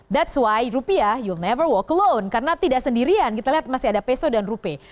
that's why rupiah you never walk alone karena tidak sendirian kita lihat masih ada peso dan rupee